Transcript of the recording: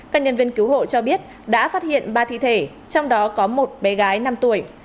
các nhân viên cứu hộ cho biết đã phát hiện ba thi thể trong đó có một bé gái năm tuổi